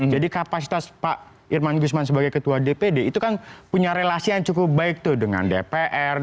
jadi kapasitas pak irman guzman sebagai ketua dpd itu kan punya relasi yang cukup baik tuh dengan dpr